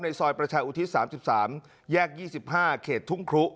ในซอยประชาอุทิศสามสิบสามแยกยี่สิบห้าเขตทุ่งครุ